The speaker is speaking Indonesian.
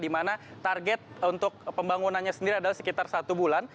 di mana target untuk pembangunannya sendiri adalah sekitar satu bulan